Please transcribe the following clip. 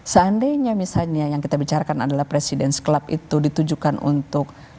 seandainya misalnya yang kita bicarakan adalah presiden club itu ditujukan untuk